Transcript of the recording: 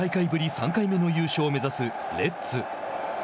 ３回目の優勝を目指すレッズ。